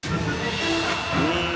うん。